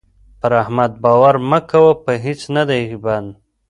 پر احمد باور مه کوه؛ په هيڅ نه دی بند.